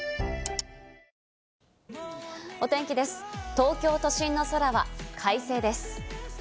東京都心の空は快晴です。